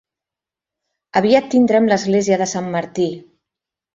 Aviat tindrem l'Església de Sant Martí.